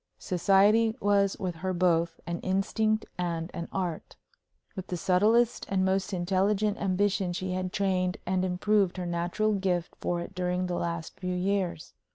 Society was with her both an instinct and an art. With the subtlest and most intelligent ambition she had trained and improved her natural gift for it during the last few years.